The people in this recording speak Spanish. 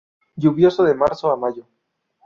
Lluvioso de marzo a mayo.